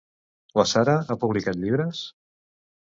La Sara ha publicat llibres?